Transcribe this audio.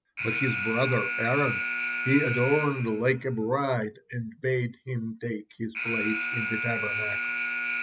But his brother Aaron he adorned like a bride, and bade him take his place in the Tabernacle."